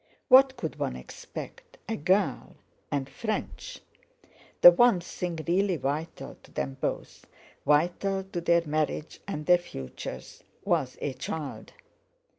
What could one expect—a girl and French? The one thing really vital to them both, vital to their marriage and their futures, was a child!